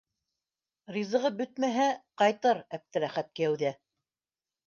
Ризығы бөтмәһә, ҡайтыр Әптеләхәт кейәү ҙә.